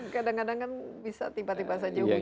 kadang kadang kan bisa tiba tiba saja hujan